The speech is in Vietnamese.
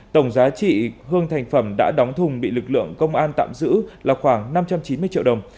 tổng giá trị hương thành phẩm đã đóng thùng bị lực lượng công an tạm giữ là khoảng năm trăm chín mươi triệu đồng